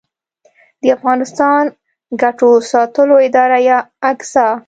د افغانستان ګټو ساتلو اداره یا اګسا